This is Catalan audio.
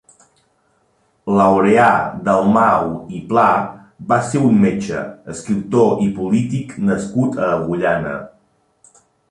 Laureà Dalmau i Pla va ser un metge, escriptor i polític nascut a Agullana.